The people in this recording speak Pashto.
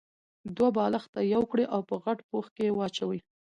دوه بالښته يو کړئ او په غټ پوښ کې يې واچوئ.